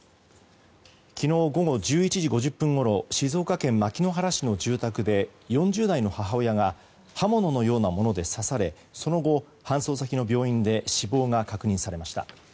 昨日午後１１時５０分ごろ静岡県牧之原市の住宅で４０代の母親が刃物のようなもので刺されその後、搬送先の病院で死亡が確認されました。